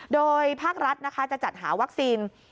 โดยภาครัฐนะคะจะจัดหาวัคซีน